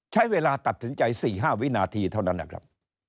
ใช้เวลาตัดสินใจ๔๕วินาทีเท่านั้นนะครับ